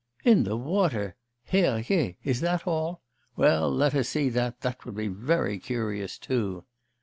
'In the water? Herr Je! Is that all? Well, let us see that, that would be very curious, too.